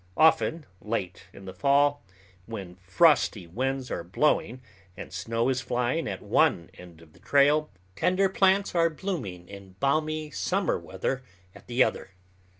Often late in the fall, when frosty winds are blowing and snow is flying at one end of the trail, tender plants are blooming in balmy summer weather at the other.